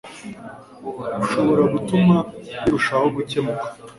ushobora gutuma birushaho gukemuka